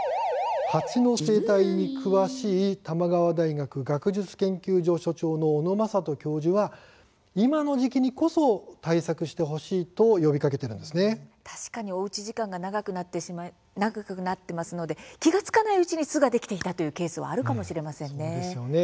蜂の生態に詳しい玉川大学学術研究所所長の小野正人教授は今の時期にこそ対策してほしい確かにおうち時間が長くなっていますので気が付かないうちに巣ができていたというケースはあるかもしれませんね。